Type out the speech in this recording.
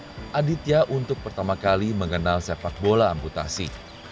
tahun dua ribu sembilan belas aditya untuk pertama kali mengenal sepak bola amputasi